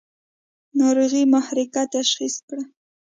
ناروغي محرقه تشخیص کړه.